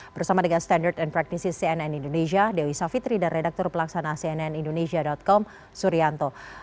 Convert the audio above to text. bersama dengan standard and practices cnn indonesia dewi savitri dan redaktur pelaksana cnn indonesia com suryanto